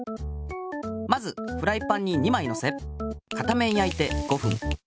まずフライパンに２まいのせ片面やいて５ふん。